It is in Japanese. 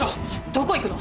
どこ行くの！？